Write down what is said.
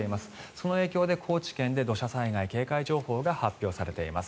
その影響で高知県で土砂災害警戒情報が発表されています。